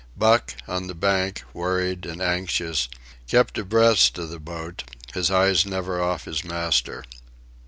Buck, on the bank, worried and anxious, kept abreast of the boat, his eyes never off his master.